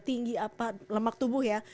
tinggi apa lemak tubuh ya